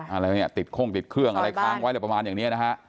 อะไรเนี่ยติดโค้งติดเครื่องอะไรค้างไว้อะไรประมาณอย่างนี้นะฮะ